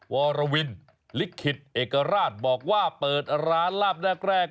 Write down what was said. วรวินลิขิตเอกราชบอกว่าเปิดร้านลาบแรก